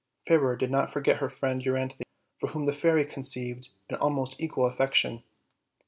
Fairer did not forget her friend Euryauthe, for whom the fairy conceived an almost equal affection.